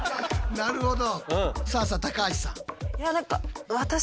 なるほど。